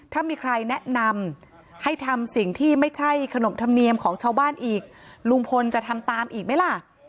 ถ้ามีใครแนะนำให้ทำสิ่งที่ไม่ใช่ขนมธรรมเนียมของชาวบ้านอีกลุงพลจะทำตามอีกไหมล่ะ